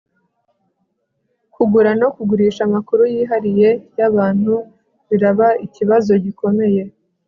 Kugura no kugurisha amakuru yihariye yabantu biraba ikibazo gikomeye